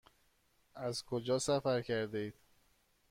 از کجا سفر کرده اید؟